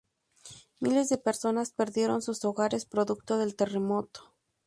Miles de personas perdieron sus hogares producto del terremoto.